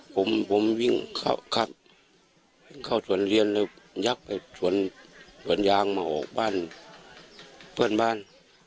ผมผมวิ่งเข้าสวนเรียนเลยยักษ์ไปสวนสวนยางมาออกบ้านเพื่อนบ้าน